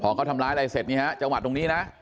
พอเขาทำร้ายอะไรเสร็จนี่ฮะจังหวัดตรงนี้นะ